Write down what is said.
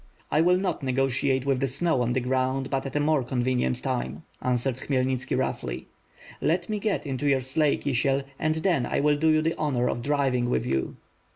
"I will not negotiate with the snow on the ground; but at a more convenient time," answered Khmyelnitski, roughly. "Let me get into your sleigh, Kisiel, and then I will do you the honor of driving with you."